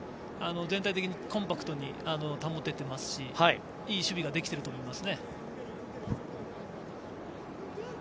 全体的にコンパクトに保てていますしいい守備ができていると思います。